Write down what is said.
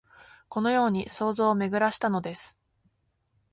このように想像をめぐらしたのです